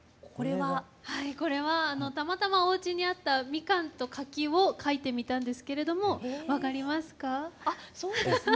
はいこれはたまたまおうちにあったみかんと柿を描いてみたんですけれども分かりますか？